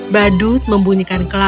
badut membunyikan kelakuan